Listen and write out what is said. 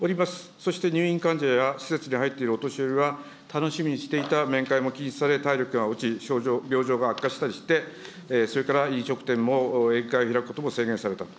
そして入院患者や施設に入っているお年寄りは楽しみにしていた面会も禁止され、体力が落ち、病状が悪化したりして、それから飲食店も宴会を開くことも制限されたと。